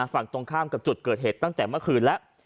ฝั่งตรงข้ามกับจุดเกิดเหตุตั้งแต่เมื่อคืนแล้ว